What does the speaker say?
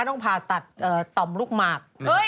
ต้องผ่าตัดต่อมลูกหมาก